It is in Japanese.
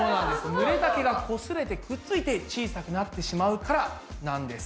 ぬれた毛がこすれてくっついて小さくなってしまうからなんです。